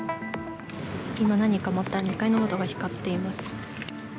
今、何かまた２階の窓が光っています。